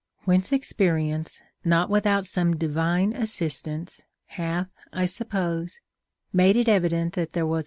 ΛVhence experi ence, not without some divine assistance, hath, I suppose, made it evident that that was.